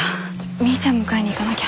みーちゃん迎えに行かなきゃ。